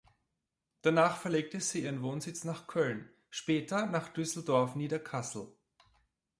Danach verlegte sie ihren Wohnsitz nach Köln, später nach Düsseldorf-Niederkassel.